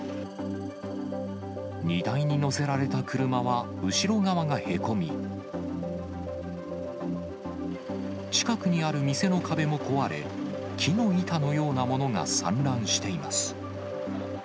荷台に載せられた車は後ろ側がへこみ、近くにある店の壁も壊れ、木の板のようなものが散乱しています。